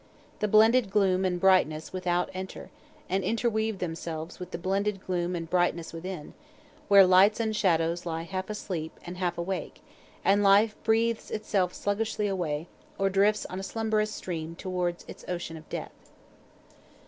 The blended gloom and brightness without enter, and interweave themselves with the blended gloom and brightness within, where lights and shadows lie half asleep and half awake, and life breathes itself sluggishly away, or drifts on a slumberous stream toward its ocean of death.